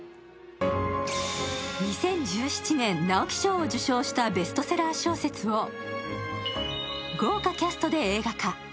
２０１７年、直木賞を受賞したベストセラー小説を豪華キャストで映画化。